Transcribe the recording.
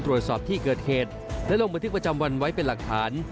ตรวจสอบที่เกิดเหตุและลงบันทึกประจำวันไว้เป็นหลักฐาน